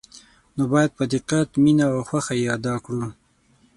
نو باید په دقت، مینه او خوښه یې ادا کړو.